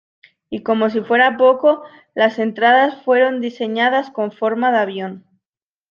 Y como si fuera poco, las entradas fueron diseñadas con forma de avión.